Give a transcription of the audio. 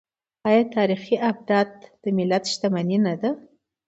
آیا تاریخي ابدات د ملت شتمني نه ده؟